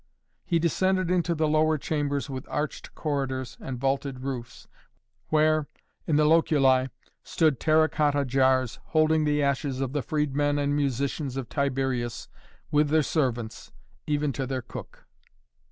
He descended into the lower chambers with arched corridors and vaulted roofs where, in the loculi, stood terra cotta jars holding the ashes of the freedmen and musicians of Tiberius with their servants, even to their cook.